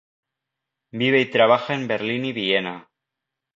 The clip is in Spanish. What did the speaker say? Vive y trabaja en Berlín y Viena.